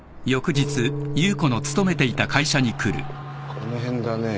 この辺だねえ。